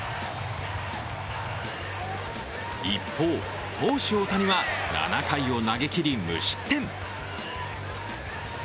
一方、投手・大谷は７回を投げきり無失点。